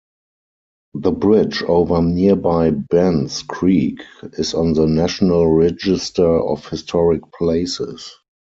The bridge over nearby Bens Creek is on the National Register of Historic Places.